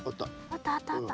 あったあったあった。